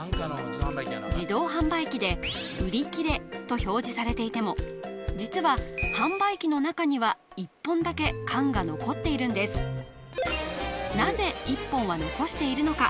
自動販売機で「売切」と表示されていても実は販売機の中には１本だけ缶が残っているんですなぜ１本は残しているのか？